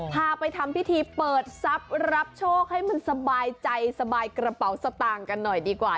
พาไปทำพิธีเปิดทรัพย์รับโชคให้มันสบายใจสบายกระเป๋าสตางค์กันหน่อยดีกว่า